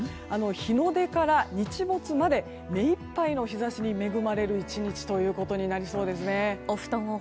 日の出から日没まで目いっぱいの日差しに恵まれる１日ということになりそうですね。